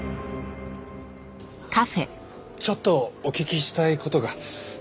ちょっとお聞きしたい事が。